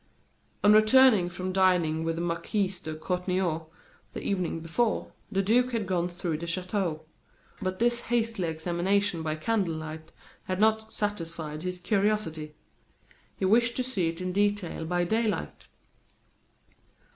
On returning from dining with the Marquis de Courtornieu, the evening before, the duke had gone through the chateau; but this hasty examination by candle light had not satisfied his curiosity. He wished to see it in detail by daylight.